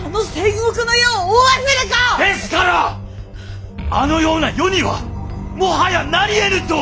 ですからあのような世にはもはやなりえぬと。